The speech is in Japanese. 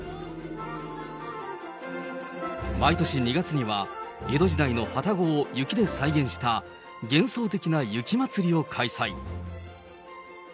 毎年２月には、江戸時代のはたごを雪で再現した幻想的な雪祭りを開催。